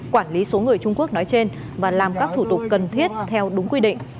quản lý số người trung quốc nói trên và làm các thủ tục cần thiết theo đúng quy định